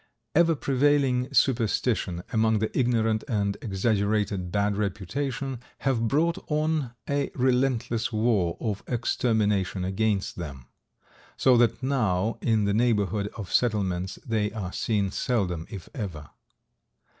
Ever prevailing superstition among the ignorant and exaggerated bad reputation have brought on a relentless war of extermination against them, so that now in the neighborhood of settlements they are seen seldom if ever.